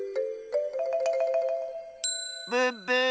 ブッブー！